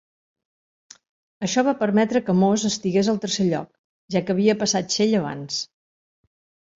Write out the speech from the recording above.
Això va permetre que Moss estigués al tercer lloc, ja que havia passat Schell abans.